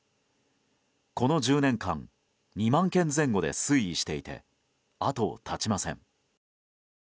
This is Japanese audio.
この１０年間２万件前後で推移していて後を絶ちません。